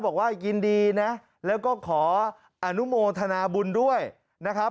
บอกว่ายินดีนะแล้วก็ขออนุโมทนาบุญด้วยนะครับ